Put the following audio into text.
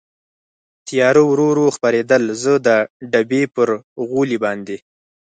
تېاره ورو ورو خپرېدل، زه د ډبې پر غولي باندې.